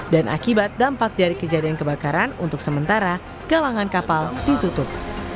dan akibat dampak dari kejadian kebakaran untuk sementara galangan kapal ditutup